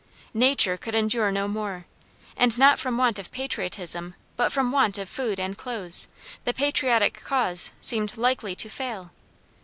Nature could endure no more, and not from want of patriotism, but from want of food and clothes, the patriotic cause seemed likely to fail.